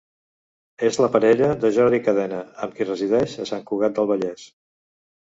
És la parella de Jordi Cadena, amb qui resideix a Sant Cugat del Vallès.